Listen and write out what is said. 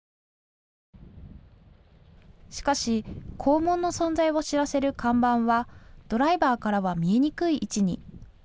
しかし校門の存在を知らせる看板は、ドライバーからは見えにくい位置に。